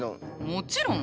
もちろん！